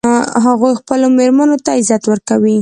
هغوی خپلو میرمنو ته عزت ورکوي